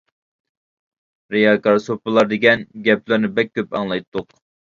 رىياكار سوپىلار دېگەن گەپلەرنى بەك كۆپ ئاڭلايتتۇق.